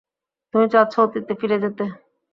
তুমি চাচ্ছ অতীতে ফিরে যেতে।